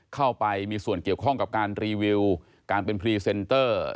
เข้าไปมีส่วนเกี่ยวข้องกับการรีวิวการเป็นพรีเซนเตอร์